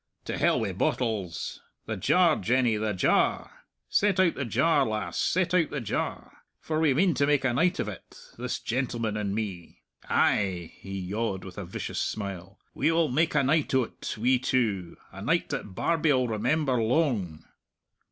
To hell wi' bottles! The jar, Jenny, the jar; set out the jar, lass, set out the jar. For we mean to make a night of it, this gentleman and me. Ay," he yawed with a vicious smile, "we'll make a night o't we two. A night that Barbie'll remember loang!"